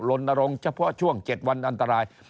ลนรงค์เฉพาะช่วง๗วันอันตราย